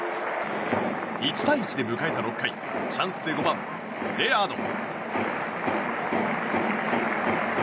１対１で迎えた６回チャンスで５番、レアード。